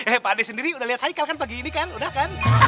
eh pak ade sendiri udah lihat haikal kan pagi ini kan udah kan